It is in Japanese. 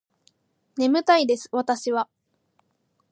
眠たいです私は